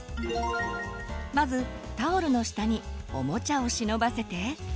まずタオルの下におもちゃを忍ばせて。